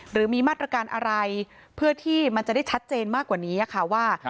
หรือมีมาตรการอะไรเพื่อที่มันจะได้ชัดเจนมากกว่านี้ค่ะว่า